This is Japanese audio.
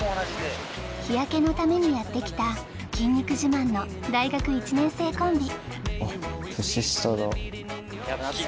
日焼けのためにやって来た筋肉自慢の大学１年生コンビ。